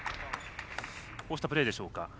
こうしたプレーでしょうか。